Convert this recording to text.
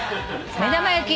目玉焼き。